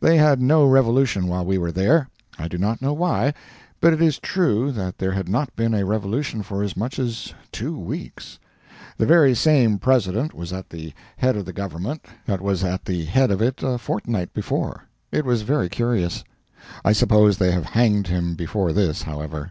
They had no revolution while we were there. I do not know why, but it is true that there had not been a revolution for as much as two weeks. The very same President was at the head of the Government that was at the head of it a fortnight before. It was very curious. I suppose they have hanged him before this, however.